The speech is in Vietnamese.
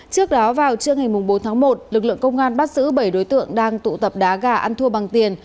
trước đó vào trưa ngày bốn tháng một lực lượng công an bắt giữ bảy đối tượng đang tụ tập đá gà ăn thua bằng tiền